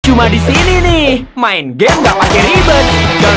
cuma disini nih main game gak pake ribet